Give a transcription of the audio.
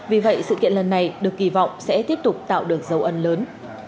vì vậy sự kiện lần này được kỳ vọng sẽ tiếp tục tạo được dấu ấn lớn